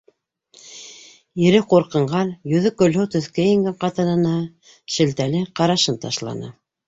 Ире ҡурҡынған, йөҙө көлһыу төҫкә ингән ҡатынына шелтәле карашын ташланы: